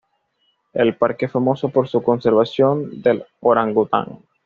El parque es famoso por su conservación del orangután.